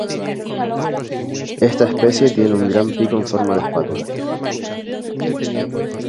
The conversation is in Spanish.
Esta especie tiene un gran pico en forma de espátula.